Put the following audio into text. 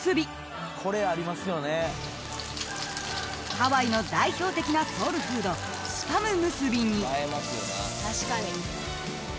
［ハワイの代表的なソウルフードスパムむすびに］